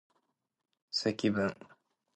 積分